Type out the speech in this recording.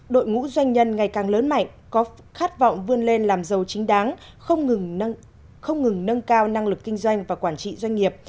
đội ngũ doanh nhân ngày càng lớn mạnh có khát vọng vươn lên làm giàu chính đáng không ngừng nâng cao năng lực kinh doanh và quản trị doanh nghiệp